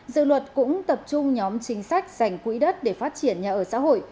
dự luật cũng tập trung nhóm chính sách dành quỹ đất để phát triển nhà ở xã hội